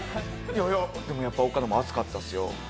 いやでもやっぱオカノも熱かったですよ。